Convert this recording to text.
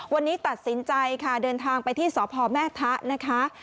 วันนี้ตัดสินใจค่ะเดินทางไปที่สพแม่ทะนะคะ